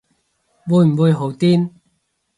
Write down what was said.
會唔會好癲